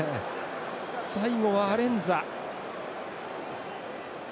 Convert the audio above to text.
最後は、アレンザ。